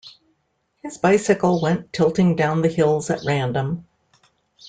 His bicycle went tilting down the hills at random.